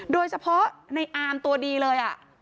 โดยเฉพาะในอามตัวดีเลย